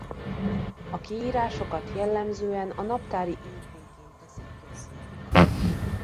A kiírásokat jellemzően a naptári év végén teszik közzé.